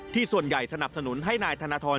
ส่วนใหญ่สนับสนุนให้นายธนทร